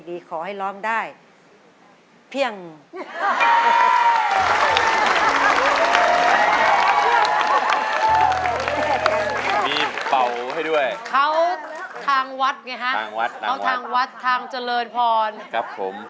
ทางวัดนางวัดทางวัดทางเจริญพรครับผม